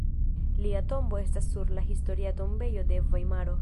Lia tombo estas sur la Historia tombejo de Vajmaro.